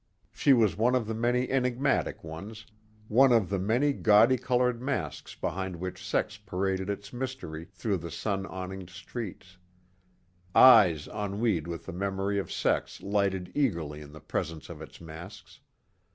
She was one of the many enigmatic ones, one of the many gaudy colored masks behind which sex paraded its mystery through the sun awninged streets. Eyes ennuied with the memory of sex lighted eagerly in the presence of its masks.